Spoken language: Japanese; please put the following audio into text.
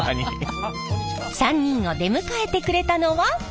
３人を出迎えてくれたのは。